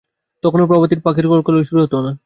তখনও প্রভাতী পাখির কল-কাকলি শুরু হতে না।